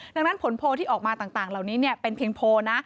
ดังนั้นผลโพลที่ออกมาต่างเหล่านี้เป็นเพียงโพลนะ